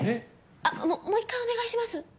あっももう１回お願いします。